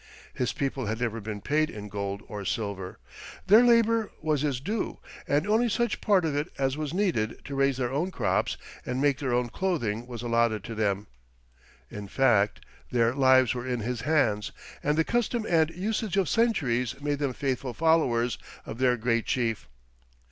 His people had never been paid in gold or silver. Their labor was his due, and only such part of it as was needed to raise their own crops and make their own clothing was allotted to them; in fact, their lives were in his hands and the custom and usage of centuries made them faithful followers of their great chief.